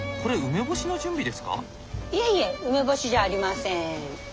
いえいえ梅干しじゃありません。